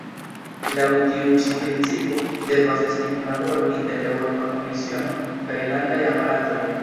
Laŭ tiu ĉi principo devas esti kunlaboro inter Eŭropa Komisiono kaj landaj aparatoj.